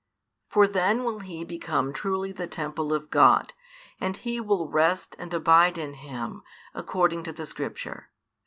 For then will he become truly the temple of God; and He will rest and abide in him, according to the Scripture.